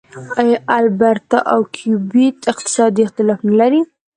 آیا البرټا او کیوبیک اقتصادي اختلافات نلري؟